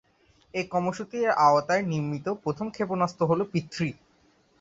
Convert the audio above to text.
এই কর্মসূচির আওতায় নির্মিত প্রথম ক্ষেপণাস্ত্র হল পৃথ্বী।